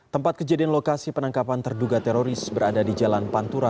tempat kejadian lokasi penangkapan terduga teroris berada di jalan pantura